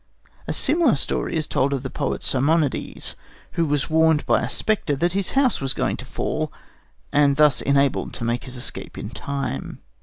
A similar story is told of the poet Simonides, who was warned by a spectre that his house was going to fall, and thus enabled to make his escape in time.